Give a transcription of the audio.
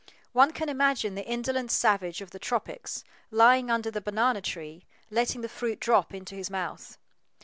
One can imagine the indolent savage of the tropics, lying under the banana tree, letting the fruit drop into his mouth.